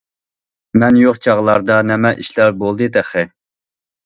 مەن يوق چاغلاردا نېمە ئىشلار بولدى تېخى!